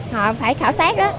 họ phải khảo sát đó